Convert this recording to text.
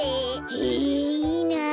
へえいいなあ。